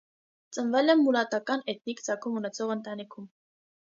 Ծնվել է մուլատական էթնիկ ծագում ունեցող ընտանիքում։